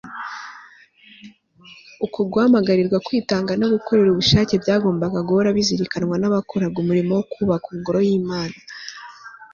uko guhamagarirwa kwitanga no gukorera ubushake byagombaga guhora bizirikanwa n'abakoraga umurimo wo kubaka ingoro y'imana